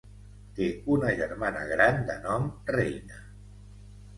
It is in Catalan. Té una germana gran de nom Reina.